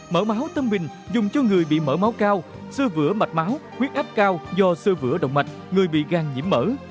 mỡ máu tâm bình dùng cho người bị mỡ máu cao sơ vữa mạch máu huyết áp cao do sơ vữa động mạch người bị gan nhiễm mỡ